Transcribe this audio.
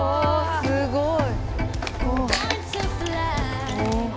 すごい！